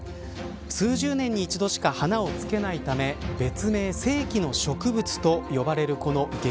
数十年に一度しか花をつけないため別名、世紀の植物と呼ばれるこの激